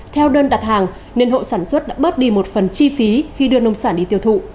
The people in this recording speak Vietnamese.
theo đơn đặt hàng nên hộ sản xuất đã bớt đi một phần chi phí khi đưa nông sản đi tiêu thụ